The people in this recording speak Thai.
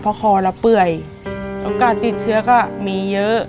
เพราะคอเราเปื่อยโอกาสติดเชื้อก็มีเยอะ